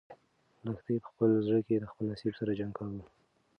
لښتې په خپل زړه کې د خپل نصیب سره جنګ کاوه.